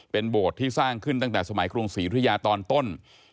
เป็นโบสถ์ที่สร้างขึ้นตั้งแต่สมัยกรุงศรียุธยาตอนต้น